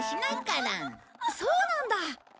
そうなんだ。